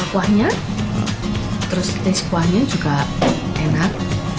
kuahnya terus kuahnya juga enak